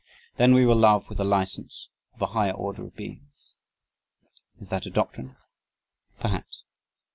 ... "Then we will love with the license of a higher order of beings." Is that a doctrine? Perhaps.